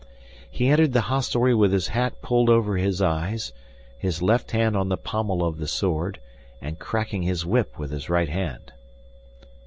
He entered the hostelry with his hat pulled over his eyes, his left hand on the pommel of the sword, and cracking his whip with his right hand.